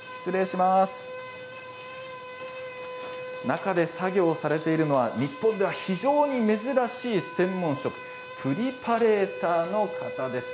中で作業されているのは日本では非常に珍しい専門職プリパレーターの方です。